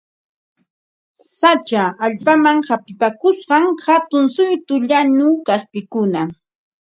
Sacha allpaman hapipakusqan hatun suytu llañu kaspikuna